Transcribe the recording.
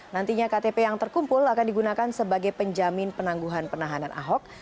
nantinya ktp yang terkumpul akan digunakan sebagai penjamin penangguhan penahanan ahok